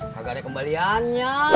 kagak ada kembaliannya